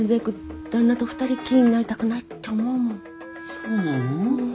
そうなの？